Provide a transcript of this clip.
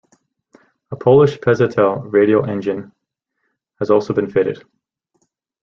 A Polish Pezetel radial engine has also been fitted.